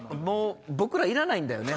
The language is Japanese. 僕らいらないんだよね